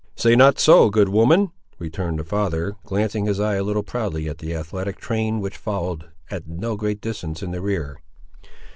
"Say not so, good woman," returned the father, glancing his eye a little proudly at the athletic train which followed, at no great distance, in the rear".